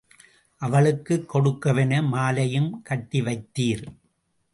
அவளுக்குக் கொடுக்கவென மாலையுங் கட்டி வைத்தீர்.